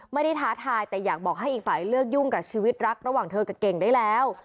ท้าทายแต่อยากบอกให้อีกฝ่ายเลือกยุ่งกับชีวิตรักระหว่างเธอกับเก่งได้แล้ว